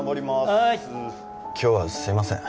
はい今日はすいません